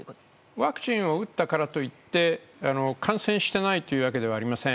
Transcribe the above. ワクチンを打ったからといって感染してないというわけではありません。